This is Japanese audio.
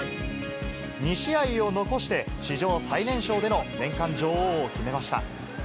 ２試合を残して、史上最年少での年間女王を決めました。